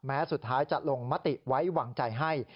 แม้สุดท้ายจะลงมติไว้วางใจให้